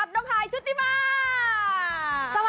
สวัสดีค่ะ